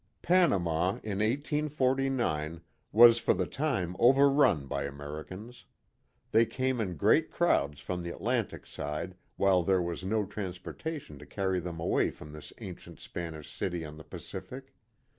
PANAMA in 1849 was ^ or the time overrun by Americans. They came in great crowds from the Atlantic side while there was no transportation to carry them away from this ancient Spanish city on the Pacific.